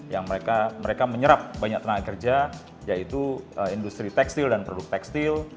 yang mereka menyerap banyak tenaga kerja yaitu industri tekstil dan produk tekstil